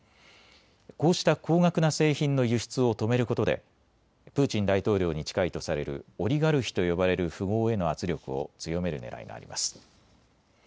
こうした高額な製品の輸出を止めることでプーチン大統領に近いとされるオリガルヒと呼ばれる富豪への圧力を強めるねらいがあります。